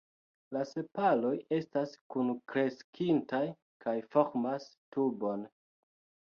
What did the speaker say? La sepaloj estas kunkreskintaj kaj formas tubon.